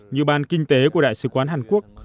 như ban kinh tế của đại sứ quán hàn quốc